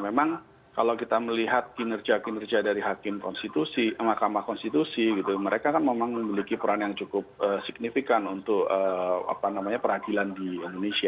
memang kalau kita melihat kinerja kinerja dari hakim konstitusi makamah konstitusi mereka kan memang memiliki peran yang cukup signifikan untuk peradilan di indonesia